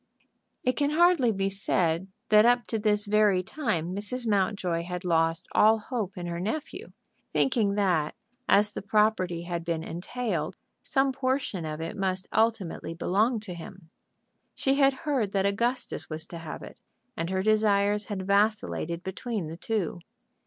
It can hardly be said that up to this very time Mrs. Mountjoy had lost all hope in her nephew, thinking that as the property had been entailed some portion of it must ultimately belong to him. She had heard that Augustus was to have it, and her desires had vacillated between the two.